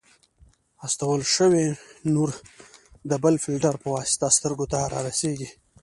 استول شوی نور د بل فلټر په واسطه سترګو ته رارسیږي.